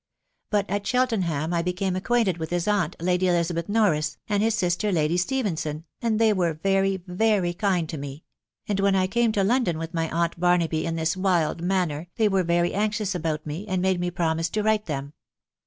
But at Cheltenham 1 became acquainted with his aunt, Lady Elizabeth Norris, and his sister, Lady Stephenson, and they were very, very kind to me ; and when I came to London with my aunt Barnaby In this wild manner, they were very anxious about me, and made me promise to write to them.